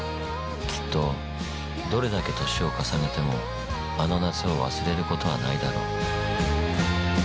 きっと、どれだけ年を重ねてもあの夏を忘れることはないだろう。